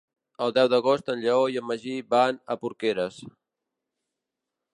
El deu d'agost en Lleó i en Magí van a Porqueres.